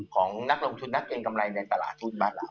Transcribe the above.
ของนักลงทุนนักเงินกำไรในตลาดทุนบ้านล่ะ